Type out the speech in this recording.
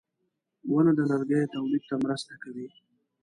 • ونه د لرګیو تولید ته مرسته کوي.